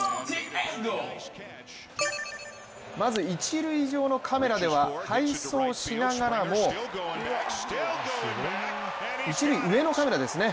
まず一塁上のカメラでは背走しながらも一塁上のカメラですね